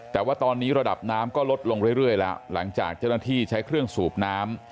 แต่ว่าตอนนี้ระดับน้ำก็ลดลงเรื่อยแล้วหลังจากเจ้าหน้าที่ใช้เครื่องสูบน้ำ